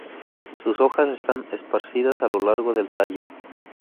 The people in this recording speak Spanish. Sus hojas están esparcidas a lo largo del tallo.